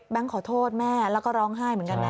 ขอโทษแม่แล้วก็ร้องไห้เหมือนกันนะ